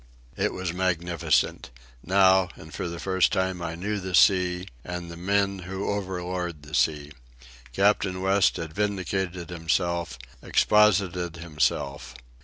It was magnificent. Now, and for the first time, I knew the sea, and the men who overlord the sea. Captain West had vindicated himself, exposited himself.